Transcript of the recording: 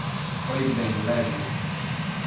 Pois bem, leve-o.